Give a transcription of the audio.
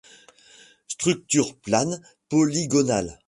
Structure plane polygonale.